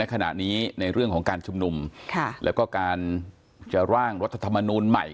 ขณะนี้ในเรื่องของการชุมนุมแล้วก็การจะร่างรัฐธรรมนูลใหม่